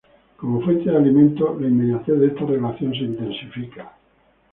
Como fuente de alimento, la inmediatez de esta relación se intensifica.